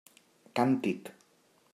Càntic.